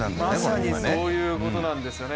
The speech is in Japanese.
まさにそういうことなんですよね。